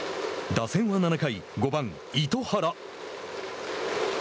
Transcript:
打線は７回、５番糸原。